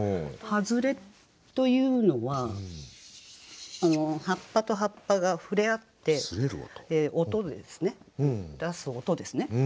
「葉擦」というのは葉っぱと葉っぱが触れ合って音ですね出す音ですね。